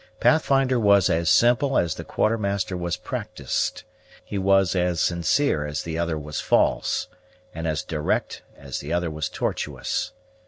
Pathfinder was as simple as the Quartermaster was practised; he was as sincere as the other was false, and as direct as the last was tortuous.